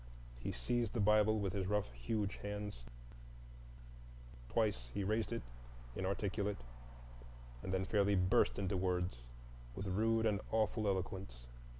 He seized the Bible with his rough, huge hands; twice he raised it inarticulate, and then fairly burst into words, with rude and awful eloquence.